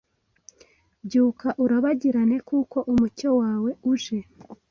Byuka urabagirane kuko umucyo wawe uje,